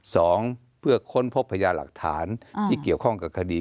สองเพื่อค้นพบพยาหลักฐานที่เกี่ยวข้องกับคดี